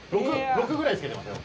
６ぐらいつけてますね。